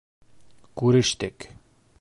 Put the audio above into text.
Күрештек.